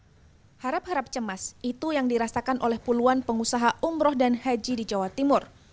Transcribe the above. hai harap harap cemas itu yang dirasakan oleh puluhan pengusaha umroh dan haji di jawa timur